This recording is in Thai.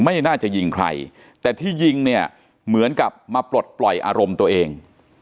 ไม่น่าจะยิงใครแต่ที่ยิงเนี่ยเหมือนกับมาปลดปล่อยอารมณ์ตัวเอง